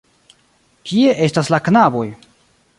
Kie estas la knaboj?